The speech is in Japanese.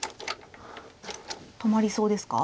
止まりそうですか？